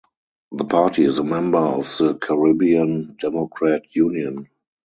The party is a member of the Caribbean Democrat Union.